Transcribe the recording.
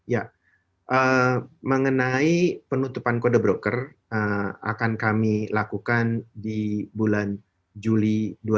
ya mengenai penutupan kode broker akan kami lakukan di bulan juli dua ribu dua puluh